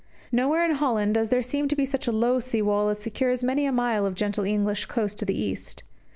Nowhere in Holland does there seem to be such a low sea wall as secures many a mile of gentle English coast to the east.